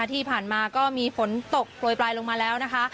ที่ผ่านมาก็มีฝนตกโปรยปลายลงมาแล้วนะคะ